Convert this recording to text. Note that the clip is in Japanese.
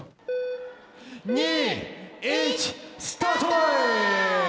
２、１、スタート！